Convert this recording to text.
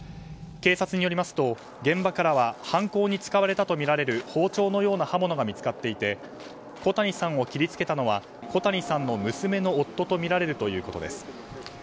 警察によりますと、現場からは犯行に使われたとみられる包丁のような刃物が見つかっていて小谷さんを切りつけたのは小谷さんの娘の夫とみられるということです。